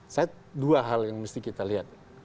saya dua hal yang mesti kita lihat